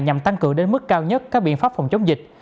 nhằm tăng cường đến mức cao nhất các biện pháp phòng chống dịch